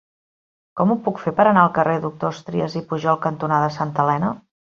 Com ho puc fer per anar al carrer Doctors Trias i Pujol cantonada Santa Elena?